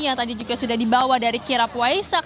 yang tadi juga sudah dibawa dari kirapwaisak